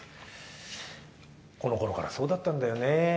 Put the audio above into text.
このころからそうだったんだよね。